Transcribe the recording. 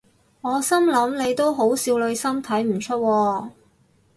我心諗你都好少女心睇唔出喎